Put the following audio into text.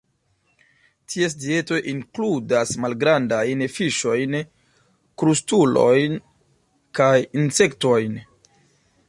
Ties dieto inkludas malgrandajn fiŝojn, krustulojn kaj insektojn.